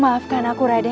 maafkan aku raden